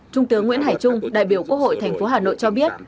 trung tướng nguyễn hải trung đại biểu quốc hội thành phố hà nội cho biết